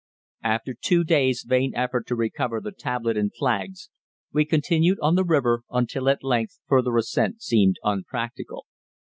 After two days' vain effort to recover the tablet and flags we continued on the river until at length further ascent seemed unpractical.